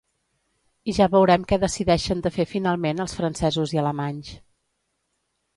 I ja veurem què decideixen de fer finalment els francesos i alemanys.